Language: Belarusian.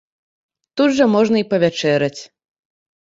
Тут жа можна і павячэраць.